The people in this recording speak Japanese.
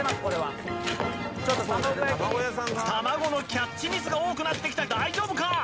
これはちょっと玉子焼きに卵のキャッチミスが多くなってきた大丈夫か？